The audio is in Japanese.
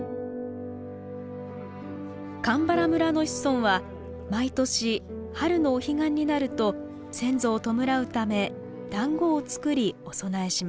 鎌原村の子孫は毎年春のお彼岸になると先祖を弔うためだんごを作りお供えします。